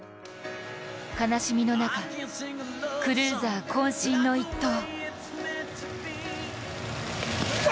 悲しみの中クルーザーこん身の一投。